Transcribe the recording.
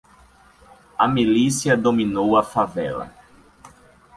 A milícia dominou a favela.